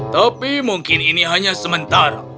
tapi mungkin ini hanya sementara